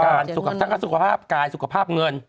ทั้งกับสุขภาพกายสุขภาพเงิน